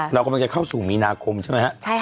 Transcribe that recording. เรากำลังจะเข้าสู่มีนาคมใช่ไหมฮะ